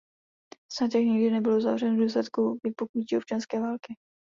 Sňatek nikdy nebyl uzavřen v důsledku vypuknutí občanské války.